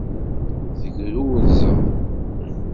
Tegrurzeḍ.